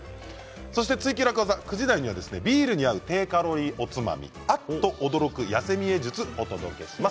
そして「ツイＱ楽ワザ」９時台には、ビールに合う低カロリーおつまみあっと驚く痩せ見え術をお届けします。